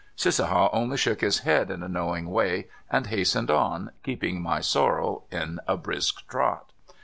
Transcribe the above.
Cissaha only shook his head in a knowing way and hastened on, keeping my sorrel in a brisk trot.